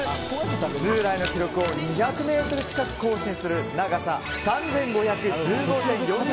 従来の記録を２００ｍ近く更新する長さ３５１５．４２